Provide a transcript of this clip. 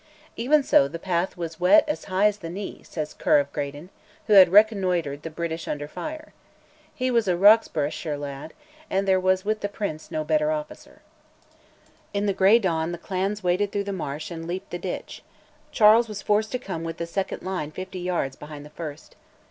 Even so, the path was wet as high as the knee, says Ker of Graden, who had reconnoitred the British under fire. He was a Roxburghshire laird, and there was with the Prince no better officer. In the grey dawn the clans waded through the marsh and leaped the ditch; Charles was forced to come with the second line fifty yards behind the first.